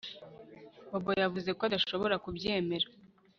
Bobo yavuze ko adashobora kubyemera